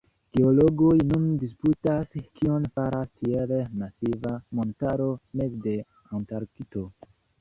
Geologoj nun disputas, kion faras tiel masiva montaro meze de Antarkto.